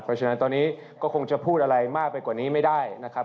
เพราะฉะนั้นตอนนี้ก็คงจะพูดอะไรมากไปกว่านี้ไม่ได้นะครับ